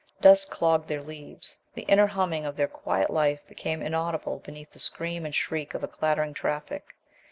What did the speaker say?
Dust clogged their leaves. The inner humming of their quiet life became inaudible beneath the scream and shriek of clattering traffic.